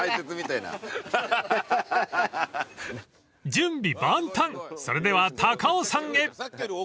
［準備万端それでは高尾山へ］